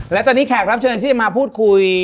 และตอนนี้แขกรับเชิญที่จะมาพูดคุย